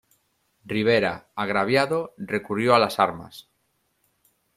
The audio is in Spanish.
Rivera, agraviado, recurrió a las armas.